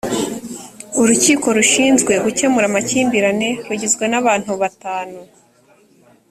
urukiko rushinzwe gukemura amakimbirane rugizwe n’abantu batanu